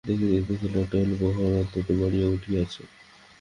দেখিতে দেখিতে লটবহর অত্যন্ত বাড়িয়া উঠিয়াছে।